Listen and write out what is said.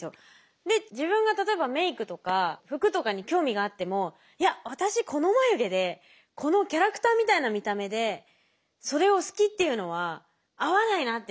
で自分が例えばメークとか服とかに興味があってもいや私この眉毛でこのキャラクターみたいな見た目でそれを好きっていうのは合わないなって自分の中で思って。